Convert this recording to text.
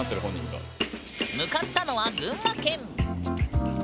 向かったのは群馬県。